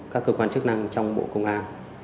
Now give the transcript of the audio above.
các cơ quan chức năng trong bộ công an